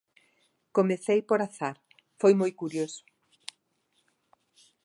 Comecei por azar, foi moi curioso.